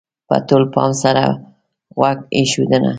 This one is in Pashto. -په ټول پام سره غوږ ایښودنه: